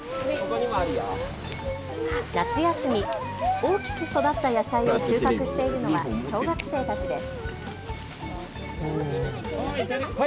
夏休み、大きく育った野菜を収穫しているのは小学生たちです。